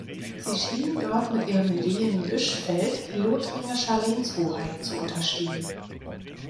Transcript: Sie schienen dort mit ihrem Lehen Büschfeld lothringischer Lehnshoheit zu unterstehen.